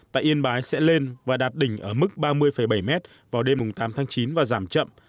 tại yên bái sẽ lên và đạt đỉnh ở mức ba mươi bảy m vào đêm tám tháng chín và giảm chậm